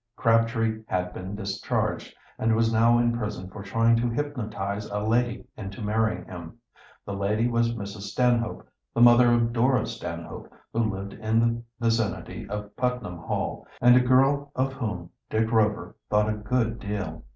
Crabtree had been discharged, and was now in prison for trying to hypnotize a lady into marrying him. This lady was Mrs. Stanhope, the mother of Dora Stanhope, who lived in the vicinity of Putnam Hall, and a girl of whom Dick Rover thought a good deal.